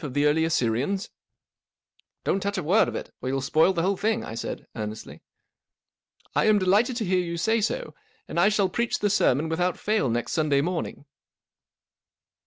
of the. early Assyrians ?";" Don't touch a word of it, or you'll spoil the whole thing," I said, earnestly. 'i " I am delighted to hear you say so/ and I shall preach the sermon without fail next Sunday morning."